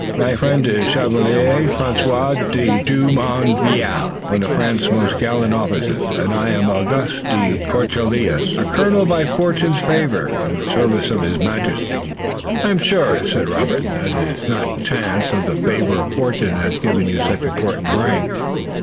My friend is the Chevalier François de Jumonville, one of France's most gallant officers, and I am Auguste de Courcelles, a colonel by fortune's favor, in the service of His Majesty, King Louis." "I am sure," said Robert, "that it is not chance or the favor of fortune that has given you such important rank.